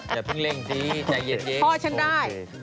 อย่าเพิ่งเร่งสิใจเย็นพ่อฉันได้